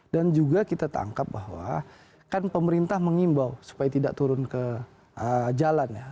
dan juga kita tangkap bahwa kan pemerintah mengimbau supaya tidak turun ke jalan ya